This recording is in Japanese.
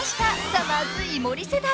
さまぁず井森世代］